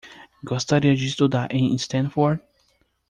Gostaria de estudar em Stanford?